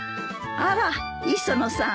あら磯野さん。